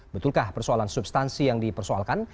betulkah persoalan substansi yang dipersoalkan